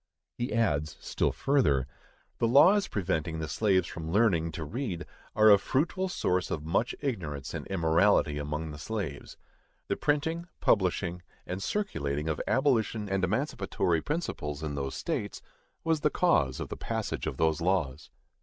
He adds, still further: _The laws preventing the slaves from learning to read are a fruitful source of much ignorance and immorality among the slaves._ The printing, publishing, and circulating of abolition and emancipatory principles in those states, was the cause of the passage of those laws.